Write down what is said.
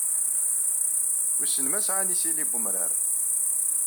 Wissen ma sɛan isili n umrar.